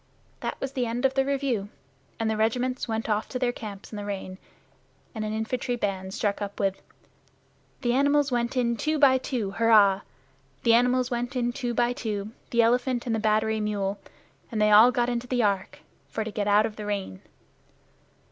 That was the end of the review, and the regiments went off to their camps in the rain, and an infantry band struck up with The animals went in two by two, Hurrah! The animals went in two by two, The elephant and the battery mul', and they all got into the Ark For to get out of the rain!